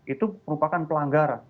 itu merupakan pelanggaran